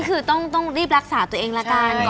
ก็คือต้องรีบรักษาตัวเองละกัน